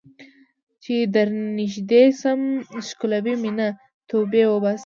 چې درنږدې شم ښکلوې مې نه ، توبې وباسې